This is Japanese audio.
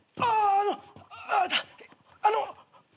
あのあの。